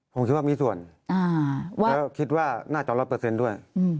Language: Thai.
ผมคิดว่ามีส่วนแล้วคิดว่าน่าจะรับเปอร์เซ็นต์ด้วย